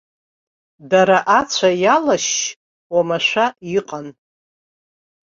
Дара ацәа иалашьшь оумашәа иҟан.